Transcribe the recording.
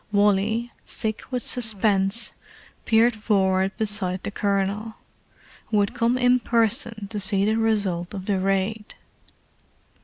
Wally, sick with suspense, peered forward beside the Colonel, who had come in person to see the result of the raid.